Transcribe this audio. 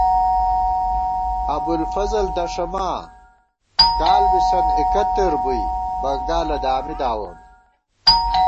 ابُوالفضل دݭَما ، کال بی سن اِکتّر بُوئی بنگالہ دامی داوون